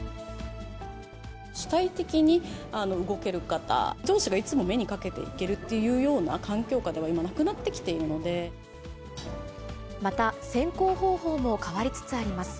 主体的に動ける方、上司がいつも目にかけていけるっていうような環境下では今、また選考方法も変わりつつあります。